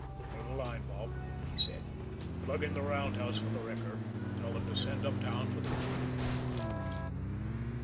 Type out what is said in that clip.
"Clear the line, Bob," he said. "Plug in the roundhouse for the wrecker and tell them to send uptown for the crew."